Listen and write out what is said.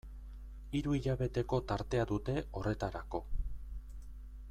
Hiru hilabeteko tartea dute horretarako.